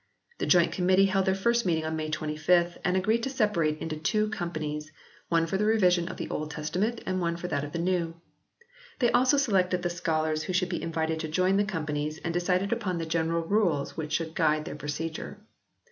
The joint Com mittee held their first meeting on May 25th and agreed to separate into two Companies one for the revision of the Old Testament and one for that of the New. They also selected the scholars who should be invited to join the Companies and decided upon the general rules which should guide their procedure.